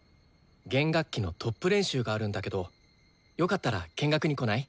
弦楽器のトップ練習があるんだけどよかったら見学に来ない？